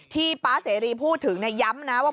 ที่ป้าเศรีย์พูดถึงแล้วย้ำนะว่า